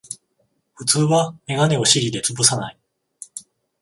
普通はメガネを尻でつぶさない